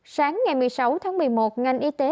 sáng ngày một mươi sáu tháng một mươi một ngành y tế